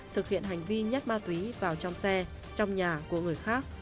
thực hiện hành vi nhất ma túy vào trong xe trong nhà của người khác